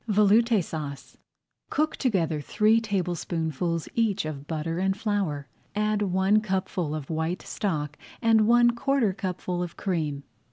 VELOUTE SAUCE Cook together three tablespoonfuls each of butter and flour, add one cupful of white stock and one quarter cupful of cream.